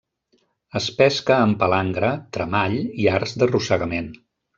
Es pesca amb palangre, tremall i arts d'arrossegament.